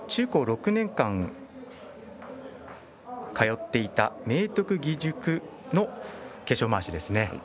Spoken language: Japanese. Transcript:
中高６年間通っていた明徳義塾の化粧まわしですね。